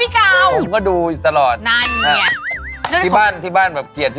ทุกคนดีก็เกลียด